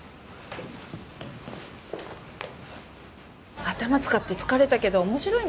頭使って疲れたけど面白いね